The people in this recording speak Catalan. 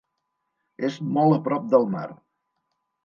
És molt a prop del mar.